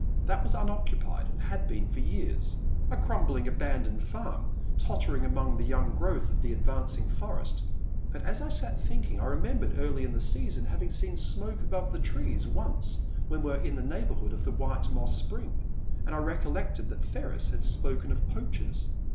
That was unoccupied and had been for years — a crumbling, abandoned farm, tottering among the young growth of an advancing forest. But as I sat thinking I remembered early in the season having seen smoke above the trees once when we were in the neighbourhood of the White Moss Spring, and I recollected that Ferris had spoken of poachers.